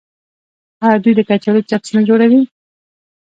آیا دوی د کچالو چپس نه جوړوي؟